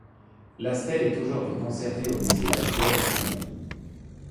La stèle est aujourd'hui conservée au Musée lapidaire d'Avignon.